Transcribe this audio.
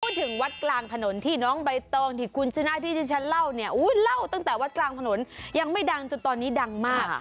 พูดถึงวัดกลางถนนที่น้องใบตองที่คุณชนะที่ที่ฉันเล่าเนี่ยเล่าตั้งแต่วัดกลางถนนยังไม่ดังจนตอนนี้ดังมาก